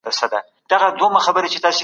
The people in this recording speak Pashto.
باید د نویو نسلونو د روزنې لپاره کار وسي.